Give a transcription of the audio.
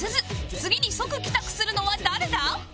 次に即帰宅するのは誰だ？